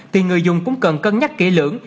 thì người dùng cũng cần cân nhắc kỹ lưỡng